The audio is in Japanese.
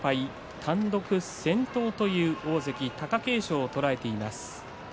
単独先頭という大関貴景勝をとらえています。